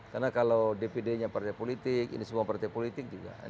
karena kalau dpd nya partai politik ini semua partai politik juga